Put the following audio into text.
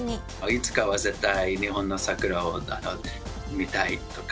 いつかは絶対日本の桜を見たいとか。